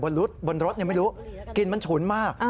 บนรถไม่รู้กลิ่นมันฉุนมาก